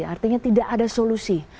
artinya tidak ada solusi